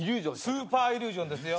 スーパーイリュージョンですよ。